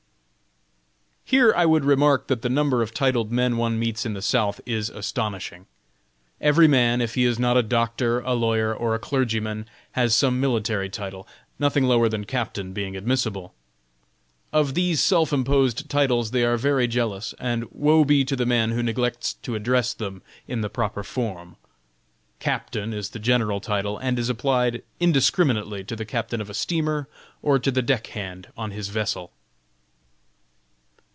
Here I would remark that the number of titled men one meets in the South is astonishing. Every man, if he is not a doctor, a lawyer, or a clergyman, has some military title nothing lower than captain being admissible. Of these self imposed titles they are very jealous, and woe be to the man who neglects to address them in the proper form. Captain is the general title, and is applied indiscriminately to the captain of a steamer, or to the deck hand on his vessel.